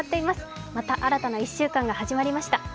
また新たな１週間が始まりました。